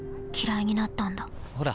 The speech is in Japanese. ほら。